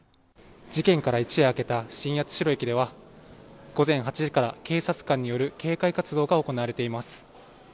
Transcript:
事件から一夜明けた新八代駅では午前８時から警察官による警戒活動が行われています。